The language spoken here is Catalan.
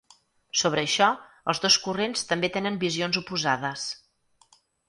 Sobre això, els dos corrents també tenen visions oposades.